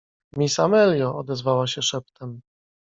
— Miss Amelio — odezwała się szeptem.